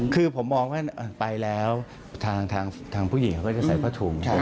คือผมมองว่าอ่ะไปแล้วทางทางทางผู้หญิงเขาก็จะใส่ผ้าถุงใช่ค่ะ